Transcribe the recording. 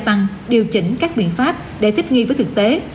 và gia tăng điều chỉnh các biện pháp để thích nghi với thực tế